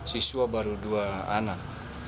siswa baru dua anak